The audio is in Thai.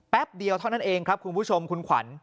เดียวเท่านั้นเองครับคุณผู้ชมคุณขวัญ